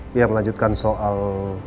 biar melanjutkan soal